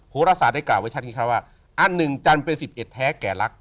โหรศาสตร์ได้กล่าวไว้ชาตินี้ครับว่าอันหนึ่งจันทร์เป็นสิบเอ็ดแท้แก่ลักษณ์